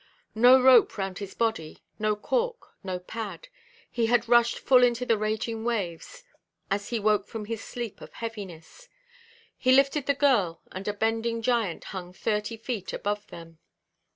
No rope round his body, no cork, no pad; he had rushed full into the raging waves, as he woke from his sleep of heaviness. He lifted the girl, and a bending giant hung thirty feet above them.